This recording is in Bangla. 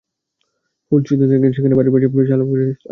ফুল ছিঁড়তে দেখে সেখানে পাশের বাড়ির শাহ আলম গাজী শান্তকে আছাড় দেন।